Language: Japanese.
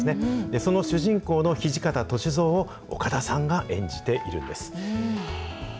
その主人公の土方歳三を岡田さんが演じているんです。